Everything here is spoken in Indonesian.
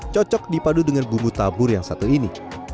cocok dipadu dengan bumbu tabur yang satu ini